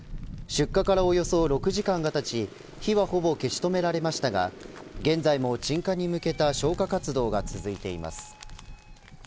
出火からおよそ６時間がたち火はほぼ消し止められましたが現在も鎮火に向けた消火活動が続いています。